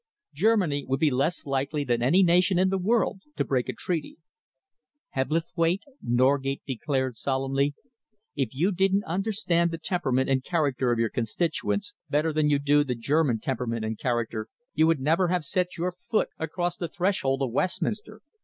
Germany would be less likely than any nation in the world to break a treaty." "Hebblethwaite," Norgate declared solemnly, "if you didn't understand the temperament and character of your constituents better than you do the German temperament and character, you would never have set your foot across the threshold of Westminster.